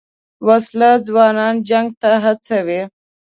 وسله ځوانان جنګ ته هڅوي